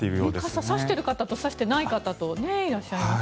傘を差している方と差していない方がいらっしゃいます。